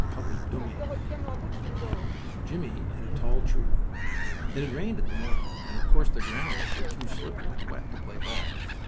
STORY XXIII JIMMIE IN A TALL TREE It had rained in the morning, and of course the grounds were too slippery and wet to play ball.